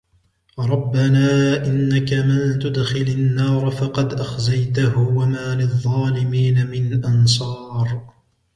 رَبَّنَا إِنَّكَ مَنْ تُدْخِلِ النَّارَ فَقَدْ أَخْزَيْتَهُ وَمَا لِلظَّالِمِينَ مِنْ أَنْصَارٍ